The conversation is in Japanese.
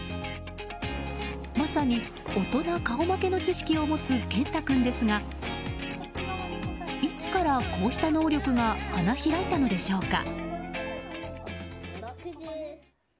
まさに大人顔負けの知識を持つけんた君ですがいつから、こうした能力が花開いたのでしょうか。